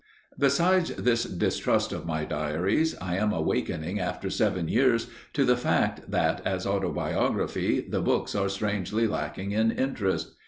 Besides this distrust of my diaries, I am awakening after seven years to the fact that, as autobiography, the books are strangely lacking in interest.